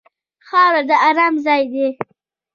خاوره د ارام ځای دی.